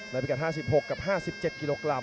แล้วต่อพิกัดได้ครับทุกคนนะครับ